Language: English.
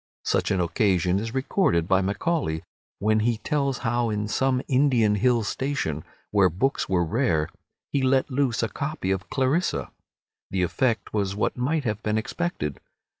Such an occasion is recorded by Macaulay, when he tells how in some Indian hill station, where books were rare, he let loose a copy of "Clarissa." The effect was what might have been expected.